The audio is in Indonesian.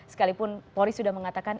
sekalipun polis sudah mengatakan